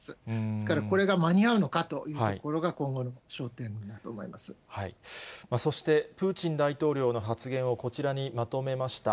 ですからこれが間に合うのかというところが、今後の焦点だと思いそして、プーチン大統領の発言をこちらにまとめました。